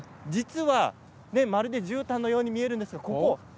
まるで、じゅうたんのように見えるんですが。